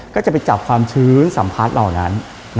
ก็จะไปจับความชื้นสัมผัสเหล่านั้น